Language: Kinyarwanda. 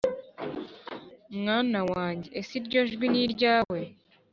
mwana wanjye ese iryo jwi ni iryawe